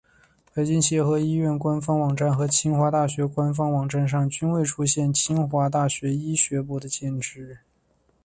北京协和医学院官方网站和清华大学官方网站上均未出现清华大学医学部的建制。